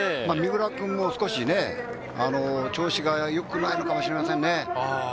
三浦君も少しね、調子が良くないのかもしれませんね。